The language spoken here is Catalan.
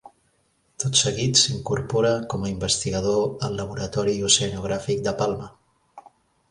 Tot seguit s’incorpora com a investigador al Laboratori Oceanogràfic de Palma.